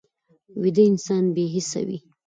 ویده انسان بې حسه وي